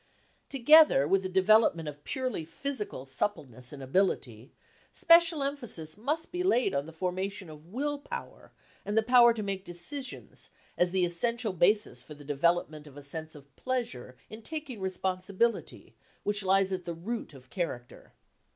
44 Together with the development of purely physical suppleness and ability, special emphasis must be laid on the formation of will power and the power to make decisions, as the essential basis for the development of a sense of pleasure in taking responsibility which lies at the root of character."